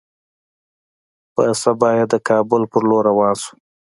پر سبا يې د کابل پر لور روان سو.